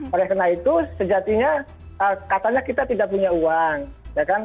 oleh karena itu sejatinya katanya kita tidak punya uang ya kan